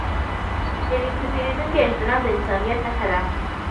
د پیرودونکي احترام د انسانیت نښه ده.